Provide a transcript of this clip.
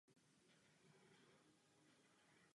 Ve Švýcarsku je čtvrtý.